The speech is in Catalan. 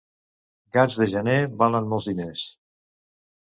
Gats de gener valen molts diners.